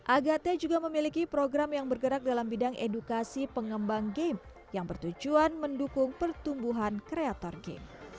agate juga memiliki program yang bergerak dalam bidang edukasi pengembang game yang bertujuan mendukung pertumbuhan kreator game